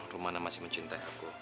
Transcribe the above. rumana masih mencintai aku